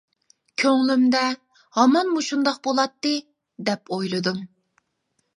كۆڭلۈمدە، ھامان مۇشۇنداق بولاتتى، دەپ ئويلىدىم.